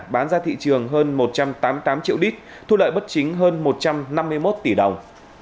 bán ra thị trường hơn một trăm tám mươi tám triệu lít thu lợi bất chính hơn một trăm năm mươi một tỷ đồng